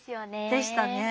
でしたね。